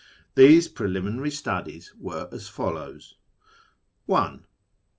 These preliminary studies were as follows :— I.